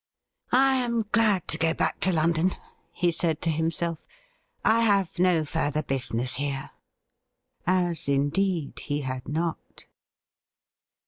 ' I am glad to go back to London,' he said to himself. ' I have no further business here ^— as, indeed, he had not.